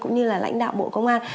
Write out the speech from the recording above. cũng như là lãnh đạo bộ công an